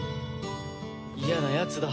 嫌なやつだ